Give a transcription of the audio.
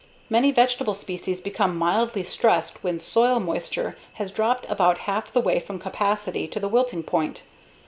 Many vegetable species become mildly stressed when soil moisture has dropped about half the way from capacity to the wilting point.